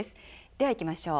では行きましょう。